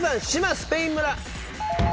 スペイン村。